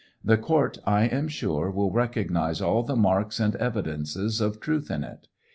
The court, I am sure, will recognize all the marks and evidences of truth ia it.